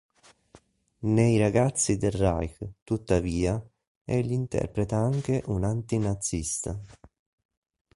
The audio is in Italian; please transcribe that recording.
Ne "I ragazzi del Reich", tuttavia, egli interpreta anche un anti-nazista.